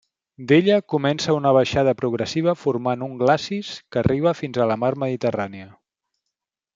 D'ella, comença una baixada progressiva formant un glacis que arriba fins a la Mar Mediterrània.